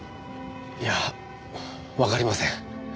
いやわかりません。